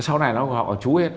sau này nó gọi chú hết